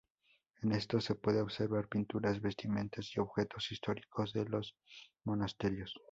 En estos se puede observar pinturas, vestimentas y objetos históricos de los monasterios.